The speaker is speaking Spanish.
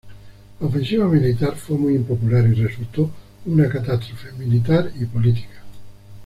La ofensiva militar fue muy impopular y resultó una catástrofe militar y política.